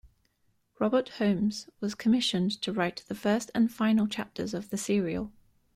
Robert Holmes was commissioned to write the first and final chapters of the serial.